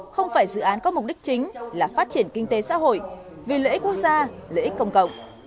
không phải dự án có mục đích chính là phát triển kinh tế xã hội vì lợi ích quốc gia lợi ích công cộng